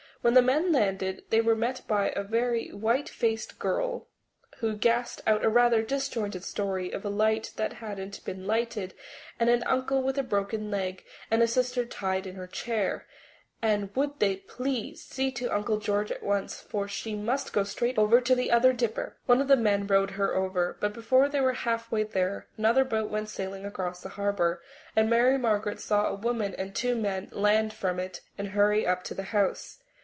When the men landed they were met by a very white faced little girl who gasped out a rather disjointed story of a light that hadn't been lighted and an uncle with a broken leg and a sister tied in her chair, and would they please see to Uncle George at once, for she must go straight over to the other Dipper? One of the men rowed her over, but before they were halfway there another boat went sailing across the harbour, and Mary Margaret saw a woman and two men land from it and hurry up to the house.